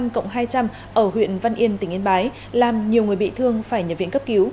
một trăm tám mươi năm cộng hai trăm linh ở huyện văn yên tỉnh yên bái làm nhiều người bị thương phải nhập viện cấp cứu